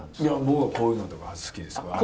いや僕はこういうのとか好きです。